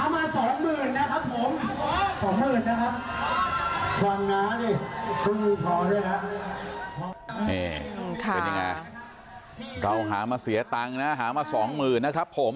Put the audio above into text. เป็นยังไงเราหามาเสียตังค์นะหามาสองหมื่นนะครับผม